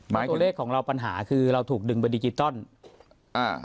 หมายตัวเลขของเราปัญหาคือเราถูกดึงไปดิจิตอลอ่า